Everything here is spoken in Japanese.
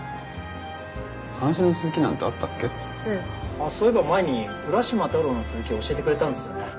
あっそういえば前に『浦島太郎』の続き教えてくれたんですよね。